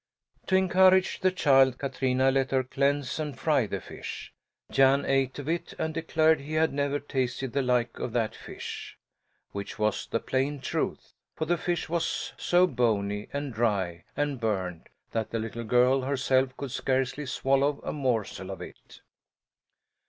To encourage the child, Katrina let her cleanse and fry the fish. Jan ate of it and declared he had never tasted the like of that fish, which was the plain truth. For the fish was so bony and dry and burnt that the little girl herself could scarcely swallow a morsel of it.